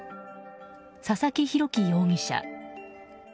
佐々木浩紀容疑者。